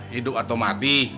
hidup atau mati